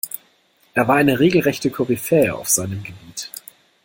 Er war eine regelrechte Koryphäe auf seinem Gebiet.